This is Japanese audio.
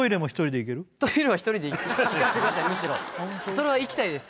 はいそれはいきたいです